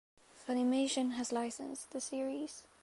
Funimation has licensed the series.